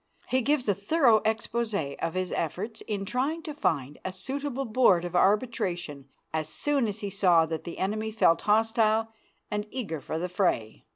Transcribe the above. He gives a thorough expose of his efforts in trying to find a suitable board of arbitration as soon as he saw that the enemy felt hostile and eager for the fray.